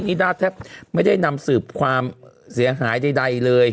นิด้าแทบไม่ได้นำสืบความเสียหายใดเลย